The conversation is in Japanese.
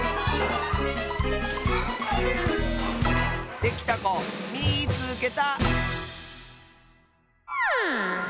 できたこみいつけた！